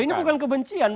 ini bukan kebencian